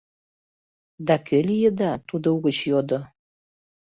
— Да кӧ лийыда? — тудо угыч йодо.